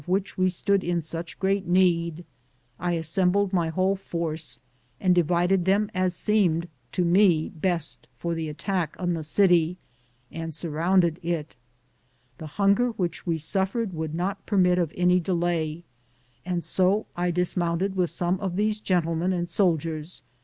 am Google THE JOURNEY OF CORONADO we stood in such great need, I assembled my whole force and divided them as seemed to me best for the attack on the city, and surrounded it. The hunger which we suffered would not permit of any delay, and bo I dis mounted with some of these gentlemen and soldiers.